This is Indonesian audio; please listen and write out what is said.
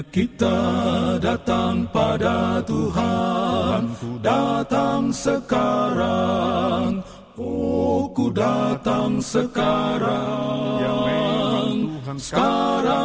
kepada engkau juru selamat